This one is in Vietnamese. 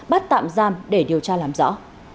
bắt tạm giam để điều tra làm rõ